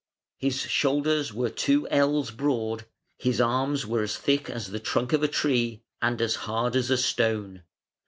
His shoulders were two ells broad; his arms were as thick as the trunk of a tree and as hard as a stone.